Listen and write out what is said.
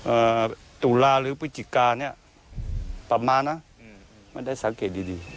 เอ่อตุลาหรือพฤศจิกาเนี้ยประมาณนะอืมไม่ได้สังเกตดีดี